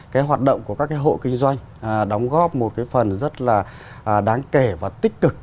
cái hoạt động của các cái hộ kinh doanh đóng góp một cái phần rất là đáng kể và tích cực